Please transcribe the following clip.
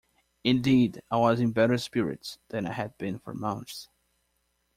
Indeed I was in better spirits than I had been for months.